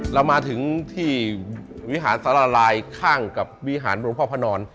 เรามาถึงที่วิหารสารลายข้างกับวิหารหลวงพ่อพระนอน